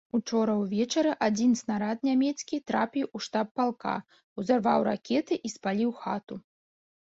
Учора ўвечары адзін снарад нямецкі трапіў у штаб палка, узарваў ракеты і спаліў хату.